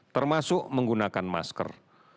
termasuk menggunakan masker